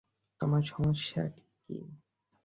তোমার সমস্যাটা কী?